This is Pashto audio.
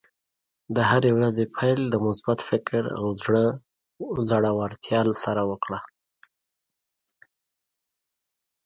د هرې ورځې پیل د مثبت فکر او زړۀ ورتیا سره وکړه.